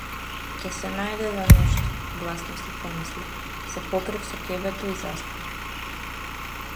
Ќе се најде за нешто, гласно си помислив, се покрив со ќебето и заспав.